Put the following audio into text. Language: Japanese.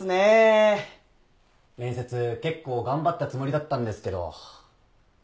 面接結構頑張ったつもりだったんですけど。